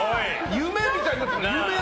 夢みたいになってる！